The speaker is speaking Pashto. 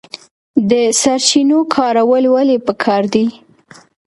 د سرچینو کارول ولې پکار دي؟